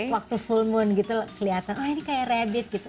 waktu full moon gitu kelihatan oh ini kayak rabbit gitu